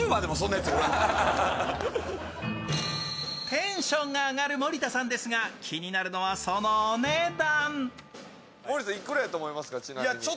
テンションが上がる森田さんですが気になるのはそのお値段。